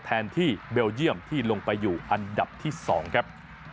แทนที่เบลเยี่ยมที่ลงไปอยู่อันดับที่๒ครับ